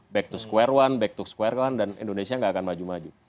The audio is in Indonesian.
back to square one back to square one dan indonesia nggak akan maju maju